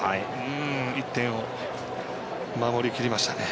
１点を守りきりましたね。